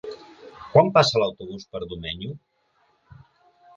Quan passa l'autobús per Domenyo?